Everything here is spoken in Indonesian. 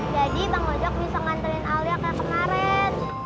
jadi bang ojak bisa ngantelin alia ke kemarin